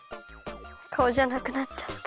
かおじゃなくなっちゃった。